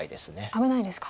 危ないですか。